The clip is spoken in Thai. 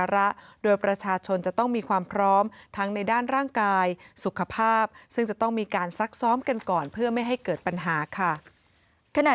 ระฆังในด้านร่างกายสุขภาพซึ่งจะต้องมีการรสรัขซ้อมกันก่อนเพื่อไม่ให้เกิดปัญหา